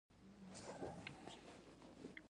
چا د تیلیفون پوښتنه کوله.